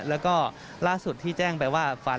แล้วก็ล่าสุดที่แจ้งไปว่าฟัน